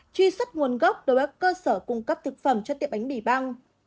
truy xuất nguồn gốc đối với các cơ sở cung cấp thực phẩm cho tiệm bánh mì băng